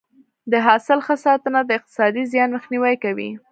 د حاصل ښه ساتنه د اقتصادي زیان مخنیوی کوي.